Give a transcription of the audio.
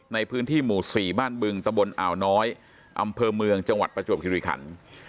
ในพื้นที่หมู่๔บ้านบึงตะบนอ่าวน้อยอำเภอเมืองจังหวัดประจวบคิริขัน